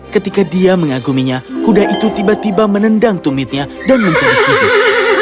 ketika dia mengaguminya kuda itu tiba tiba menendang tumitnya dan mencari sudut